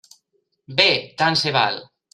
Bé, tant se val.